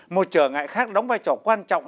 một trở ngại khác đóng vai trò quan trọng